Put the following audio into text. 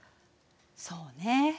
そうね。